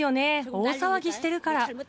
大騒ぎしてるから。